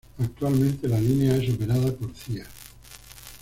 Actualmente la línea es operada por Cía.